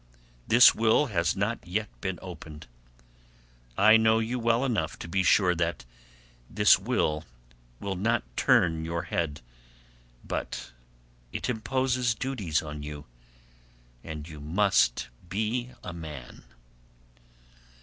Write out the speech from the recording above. The will has not yet been opened. I know you well enough to be sure that this will not turn your head, but it imposes duties on you, and you must be a man."